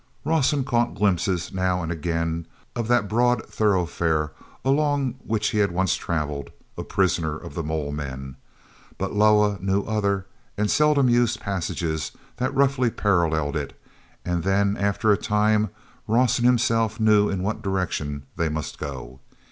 Rawson caught glimpses now and again of that broad thoroughfare along which he had once traveled, a prisoner of the mole men. But Loah knew other and seldom used passages that roughly paralleled it; and then, after a time, Rawson himself knew in what direction they must go.